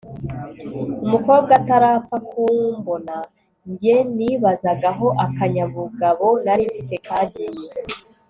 umukobwa atarapfa kumbona, njye nibazaga aho akanyabugabo nari mfite kagiye